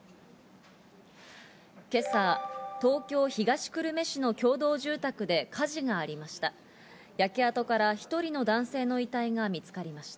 今朝、東京・東久留米市の共同住宅で火事がありました。